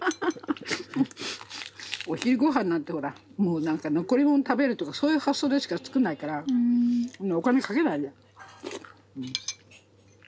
お昼ごはんなんてほら残り物食べるとかそういう発想でしか作んないからお金かけないで。